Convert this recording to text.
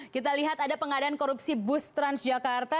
kita lihat ada pengadaan korupsi bus trans jakarta